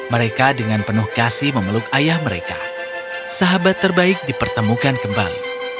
mereka dengan penuh kasih memeluk ayah mereka sahabat terbaik dipertemukan kembali